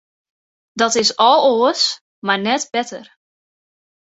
Dat is al oars, mar net better.